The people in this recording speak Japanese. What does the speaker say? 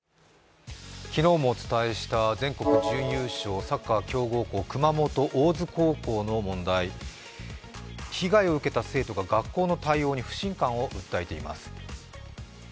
昨日もお伝えした全国準優勝、熊本・大津高校の問題被害を受けた生徒が学校の対応に不信感を訴えています。